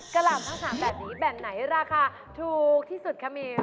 หล่ำทั้ง๓แบบนี้แบบไหนราคาถูกที่สุดคะมิว